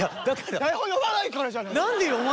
台本読まないからじゃないですか！